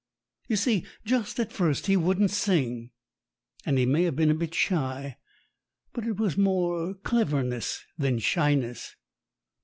You see, just at first he wouldn't sing, and he may have been a bit shy. But it was more cleverness than shyness.